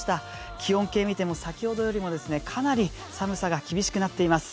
気温計を見ても先ほどよりもかなり寒さが厳しくなっています。